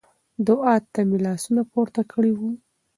دعا ته مې لاسونه پورته کړي وو.